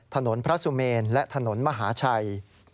ถนนพระสุเมนและถนนมหาชัย